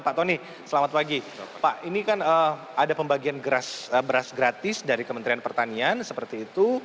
pak tony selamat pagi pak ini kan ada pembagian beras gratis dari kementerian pertanian seperti itu